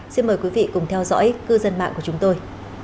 xin mời quý vị cùng theo dõi cư dân mạng của chúng tôi